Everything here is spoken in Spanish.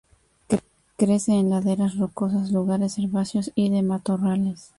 Crece en laderas rocosas, lugares herbáceos y de matorrales.